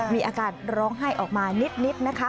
มีอาการร้องไห้ออกมานิดนะคะ